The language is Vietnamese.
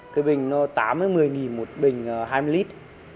cái bình nó tám một mươi một bình hai mươi lít